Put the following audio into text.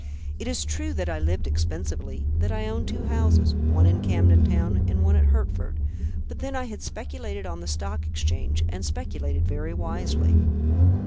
It is true that I lived expensively, that I own two houses, one in Camden Town and one at Hertford; but then I had speculated on the Stock Exchange and speculated very wisely.